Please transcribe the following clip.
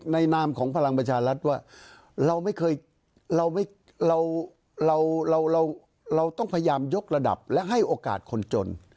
นามของพลังประชารัฐว่าเราไม่เคยเราต้องพยายามยกระดับและให้โอกาสคนจน